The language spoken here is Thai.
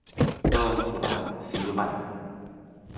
โรงพยาบาลศรีสวรรค์